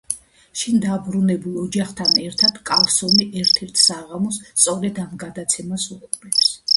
შინ დაბრუნებულ ოჯახთან ერთად კარლსონი ერთ-ერთ საღამოს სწორედ ამ გადაცემას უყურებს.